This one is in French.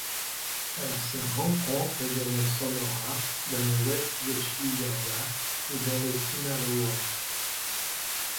Elle se rencontre dans le Sonora, dans l'ouest du Chihuahua et dans le Sinaloa.